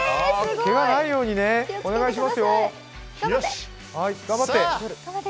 けがないようにお願いしますよ、頑張って！